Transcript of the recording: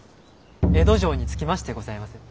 江戸城に着きましてございます。